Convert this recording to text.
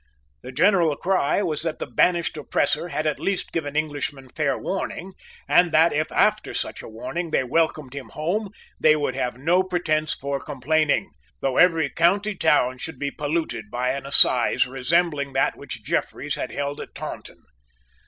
The general cry was that the banished oppressor had at least given Englishmen fair warning, and that, if, after such a warning, they welcomed him home, they would have no pretence for complaining, though every county town should be polluted by an assize resembling that which Jeffreys had held at Taunton.